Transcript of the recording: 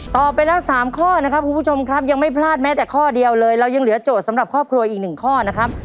ไปแล้ว๓ข้อนะครับคุณผู้ชมครับยังไม่พลาดแม้แต่ข้อเดียวเลยเรายังเหลือโจทย์สำหรับครอบครัวอีกหนึ่งข้อนะครับ